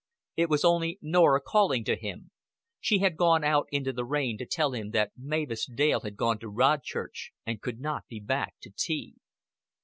It was only Norah calling to him. She had come out into the rain to tell him that Mavis Dale had gone to Rodchurch and could not be back to tea.